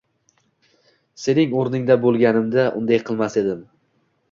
Sening o'rningda bo'lganimda, unday qilmas edim.